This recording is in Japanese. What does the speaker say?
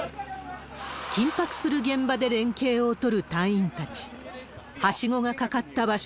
緊迫する現場で連係を取る隊員たち。